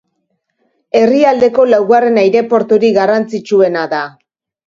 Herrialdeko laugarren aireporturik garrantzitsuena da.